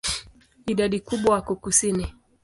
Idadi kubwa wako kusini.